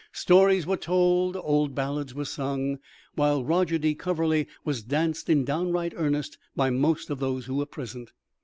Stories were told, old ballads were sung, while Roger de Coverley was danced in downright earnest by most of those who were present.